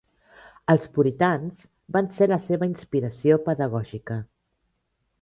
Els puritans van ser la seva inspiració pedagògica.